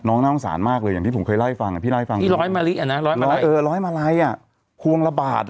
น้องน่าสงสารมากเลยอย่างที่ผมเคยไล่ฟังอ่ะพี่ไล่ฟัง